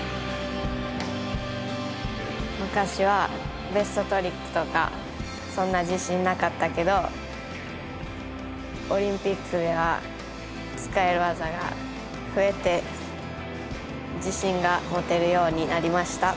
昔はベストトリックとかそんな自信なかったけどオリンピックでは使える技が増えて自信が持てるようになりました。